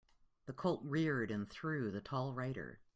The colt reared and threw the tall rider.